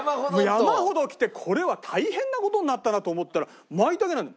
山ほど来てこれは大変な事になったな！と思ったらマイタケなの。